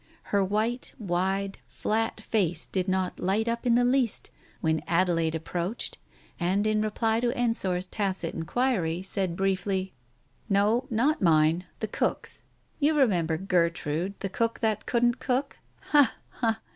Her white, wide, flat face did not light up in the least when Adelaide approached, and in reply to Ensor's tacit inquiry, said briefly — "No, not mine. The cook's. You remember Gertrude — the cook that couldn't cook? Ha! ha!